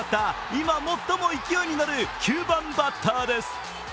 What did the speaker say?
今、最も勢いに乗る９番バッターです。